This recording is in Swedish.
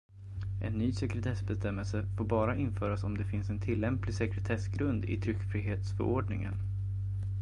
En ny sekretessbestämmelse får bara införas om det finns en tillämplig sekretessgrund i tryckfrihetsförordningen.